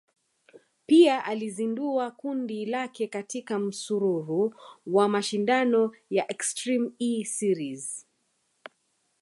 Pia alizindua kundi lake katika msururu wa mashindano ya Extreme E series